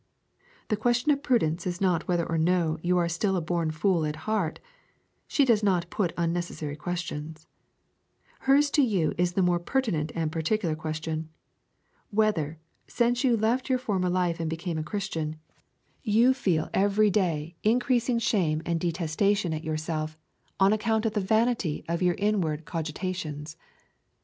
The question of Prudence is not whether or no you are still a born fool at heart, she does not put unnecessary questions: hers to you is the more pertinent and particular question, whether, since you left your former life and became a Christian, you feel every day increasing shame and detestation at yourself, on account of the vanity of your inward cogitations.